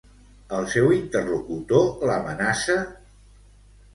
El seu interlocutor l'amenaça?